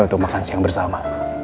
untuk makan siang bersama